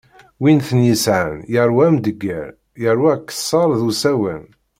Wi ten-yesεan yeṛwa amdegger, yeṛwa akkessar d usawen.